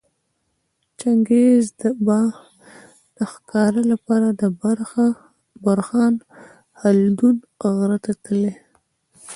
چنګیز به د ښکاره لپاره د برخان خلدون غره ته تلی